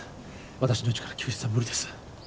私の位置から救出は無理です